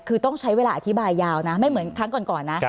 คือต้องใช้เวลาอธิบายยาวนะไม่เหมือนครั้งก่อนนะ